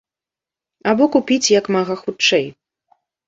Або купіць як мага хутчэй.